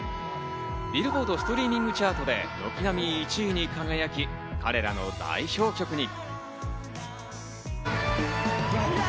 ビルボードストリーミングチャートで軒並み１位に輝き、彼らの代表曲に。